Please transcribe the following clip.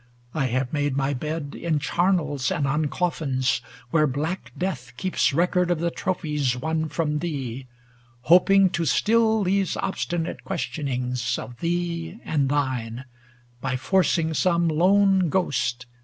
I have made my bed In charnels and on coffins, where black death Keeps record of the trophies won from thee, Hoping to still these obstinate questionings Of thee and thine, by forcing some lone ghost.